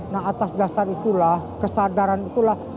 nah atas dasar itulah kesadaran itulah